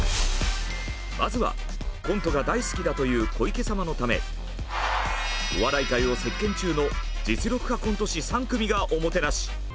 まずはコントが大好きだという小池様のためお笑い界を席けん中の実力派コント師３組がおもてなし！